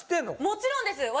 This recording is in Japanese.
もちろんですよ。